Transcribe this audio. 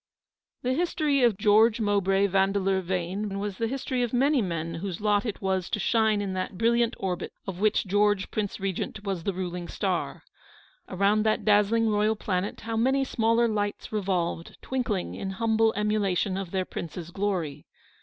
The history of George Mowbray Yandeleur Vane was the history of many men whose lot it was to shine in that brilliant orbit, of which George, Prince Regent, was the ruling star. Around that dazzling royal planet how many smaller lights revolved, twinkling in humble emulation of their prince's glory.